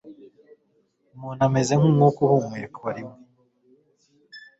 umuntu ameze nk'umwuka uhumekwa rimwe